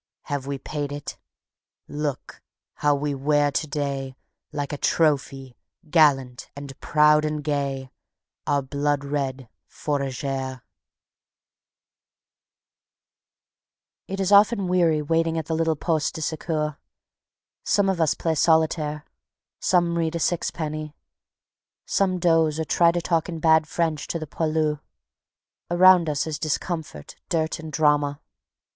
... Have we paid it? Look how we wear to day Like a trophy, gallant and proud and gay, Our blood red Fourragère. It is often weary waiting at the little poste de secours. Some of us play solitaire, some read a "sixpenny", some doze or try to talk in bad French to the poilus. Around us is discomfort, dirt and drama.